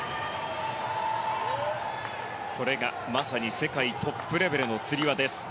これがまさに世界トップレベルのつり輪です。